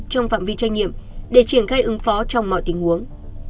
trong phạm vi trách nhiệm để triển khai ứng phó trong mọi tình huống